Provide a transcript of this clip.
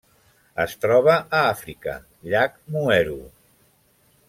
Es troba a Àfrica: llac Mweru.